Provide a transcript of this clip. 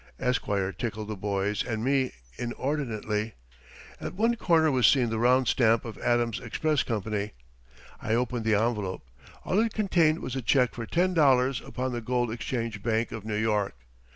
"Esquire" tickled the boys and me inordinately. At one corner was seen the round stamp of Adams Express Company. I opened the envelope. All it contained was a check for ten dollars upon the Gold Exchange Bank of New York.